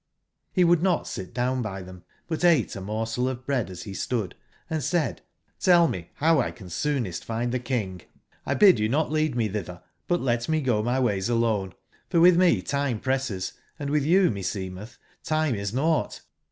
Re would not sit down by tbem, but ate a morsel of bread as be stood, and said: ''Cell me bow 1 can soonest find tbe King : X bid you not lead me tbitber, but let me go my ways alone, forwitb me time presses, and witb you meseemetb time is nougbt.